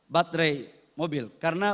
baterai mobil karena